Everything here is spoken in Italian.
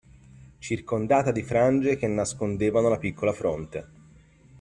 Circondata di frangie che nascondevano la piccola fronte.